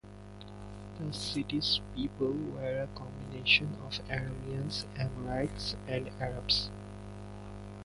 The city's people were a combination of Arameans, Amorites and Arabs.